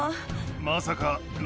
まさか。